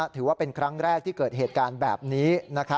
ถือว่าเป็นครั้งแรกที่เกิดเหตุการณ์แบบนี้